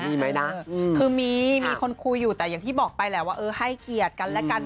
มีไหมนะคือมีมีคนคุยอยู่แต่อย่างที่บอกไปแหละว่าเออให้เกียรติกันและกัน